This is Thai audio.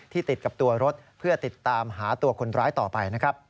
ที่ติดกับตัวรถเพื่อติดตามหาตัวคนร้ายต่อไป